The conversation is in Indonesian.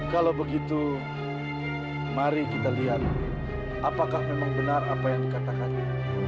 kalau begitu mari kita lihat apakah memang benar apa yang dikatakannya